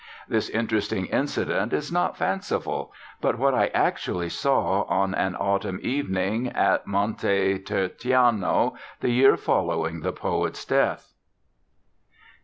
This interesting incident is not fanciful, but is what I actually saw on an autumn evening at Monte Tertanio the year following the poet's death.